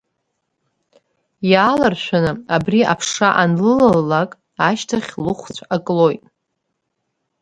Иаалыршәаны, абри аԥша анлылалак ашьҭахь, лыхәцә аклоит.